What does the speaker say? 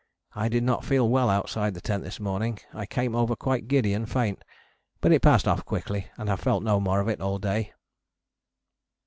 I did not feel well outside the tent this morning. I came over quite giddy and faint, but it passed off quickly and have felt no more of it all day.